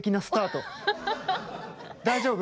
大丈夫？